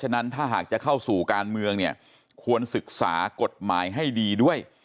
ฉะนั้นถ้าหากจะเข้าสู่การเมืองเนี่ยควรศึกษากฎหมายให้ดีด้วย